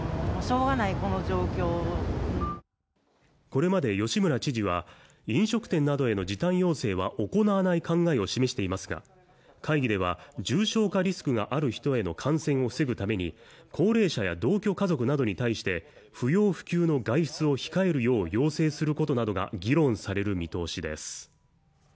これまで吉村知事は飲食店などへの時短要請は行わない考えを示していますか会議では重症化リスクがある人への感染を防ぐために高齢者や同居家族などに対して不要不急の外出を控えるよう要請することなどが議論される見通しです